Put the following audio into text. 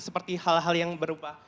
seperti hal hal yang berubah